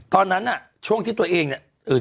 ตอนนั้นน่ะช่วงที่ตัวเองเนี่ย